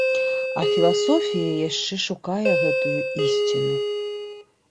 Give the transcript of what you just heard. А філасофія яшчэ шукае гэтую ісціну.